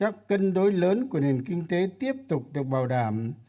các cân đối lớn của nền kinh tế tiếp tục được bảo đảm